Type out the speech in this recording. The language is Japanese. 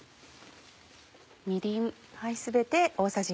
みりん。